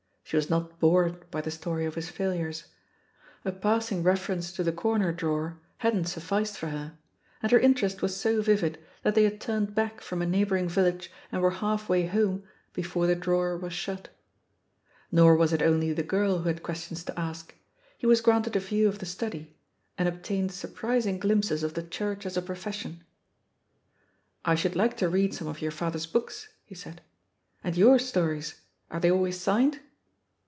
She was not bored by the story of his failures; a passing reference to the corner drawer hadn't sufficed for her, and her interest was so vivid that they had turned back from a neighbouring village and were half way home before the drawer was shut. Nor was it only the girl who had questions to ask; he was granted a view of the "study," and obtained sur prising glimpses of the Chiu*ch as a profession. THE POSITION OF PEGGY HARPER 198 "I should like to read some of your father*s books," he said. "And your stories — are they always signed?"